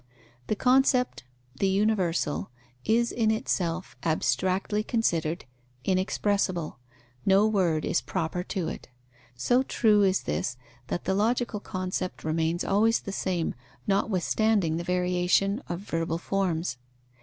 The concept, the universal, is in itself, abstractly considered, inexpressible. No word is proper to it. So true is this, that the logical concept remains always the same, notwithstanding the variation of verbal forms.